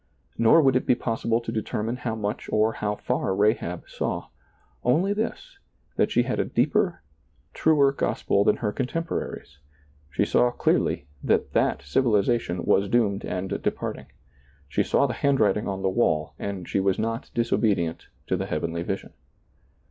Nor would it be possible to determine 1j*>w much or how far Rahab saw — only this, that she had a deeper, truer gospel than her contem poraries ; she saw clearly that that civilization was doomed and departing — she saw the handwriting on the wall, and she was not disobedient to the heavenly vision.